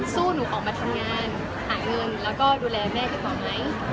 หนูออกมาทำงานหาเงินแล้วก็ดูแลแม่พี่ต่อไหม